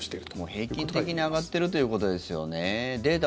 平均的に上がってるということですよね。